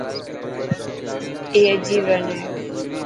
اي اجيب رن هي.